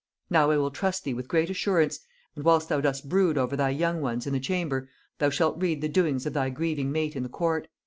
Now I will trust thee with great assurance; and whilst thou dost brood over thy young ones in the chamber, thou shalt read the doings of thy grieving mate in the court.